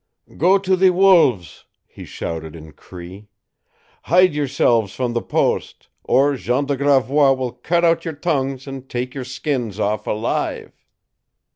"Go to the wolves!" he shouted in Cree. "Hide yourselves from the post, or Jean de Gravois will cut out your tongues and take your skins off alive!"